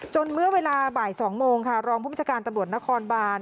เมื่อเวลาบ่าย๒โมงค่ะรองผู้บัญชาการตำรวจนครบาน